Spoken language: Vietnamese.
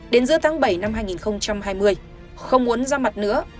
đến giữa tháng bảy năm hai nghìn hai mươi không muốn ra mặt nữa